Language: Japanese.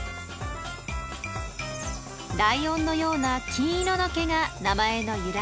ライオンのような金色の毛が名前の由来。